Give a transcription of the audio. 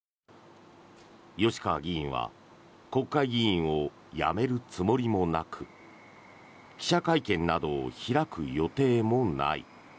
吉川議員は国会議員を辞めるつもりもなく記者会見などを開く予定もない。